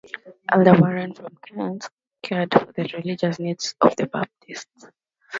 Elder Warren from Kent cared for the religious needs of the Baptists.